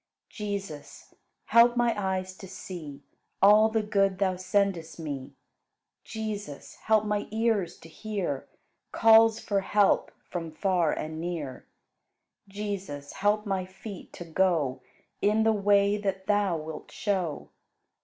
105. Jesus, help my eyes to see All the good Thou sendest me. Jesus, help my ears to hear Calls for help from far and near. Jesus, help my feet to go In the way that Thou wilt show.